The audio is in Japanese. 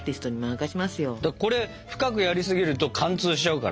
これ深くやりすぎると貫通しちゃうから。